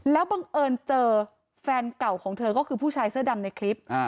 แล้วบังเอิญเจอแฟนเก่าของเธอก็คือผู้ชายเสื้อดำในคลิป